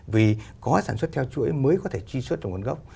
vì có sản xuất theo chuỗi mới có thể truy xuất được nguồn gốc